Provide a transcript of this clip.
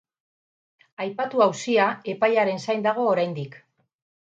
Aipatu auzia epaiaren zain dago oraindik.